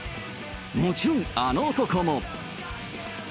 もちろんあの男も。